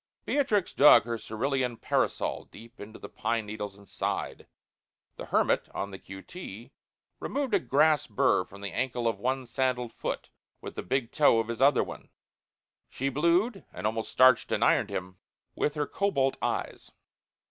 Beatrix dug her cerulean parasol deep into the pine needles and sighed. The hermit, on the q. t., removed a grass burr from the ankle of one sandalled foot with the big toe of his other one. She blued and almost starched and ironed him with her cobalt eyes.